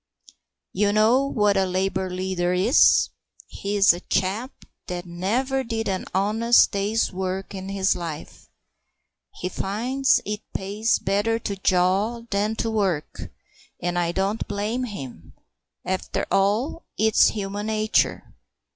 You know what a Labour leader is. He's a chap that never did an honest day's work in his life. He finds it pays better to jaw than to work, and I don't blame him. After all, it's human nature.